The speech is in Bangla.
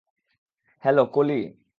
হ্যালো, কোলি?